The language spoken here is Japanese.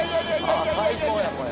最高やこれ。